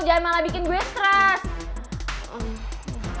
jangan malah bikin gue stress